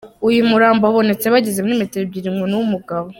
Uyu murambo wabonetse bageze muri metero ebyiri ngo ni uw’ umugabo.